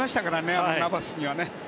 あのナバスにはね。